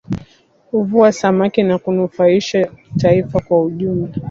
Huvua samaki na kunufaisha taifa kwa ujumla